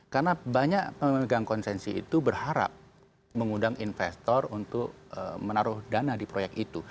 karena banyak pemegang konsensi itu berharap mengundang investor untuk menaruh dana di proyek itu